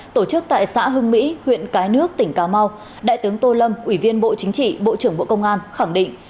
tổ chức tại xã hưng mỹ huyện cái nước tỉnh cà mau đại tướng tô lâm ủy viên bộ chính trị bộ trưởng bộ công an khẳng định